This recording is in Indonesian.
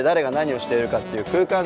dan kita bisa melihat di seluruh ruang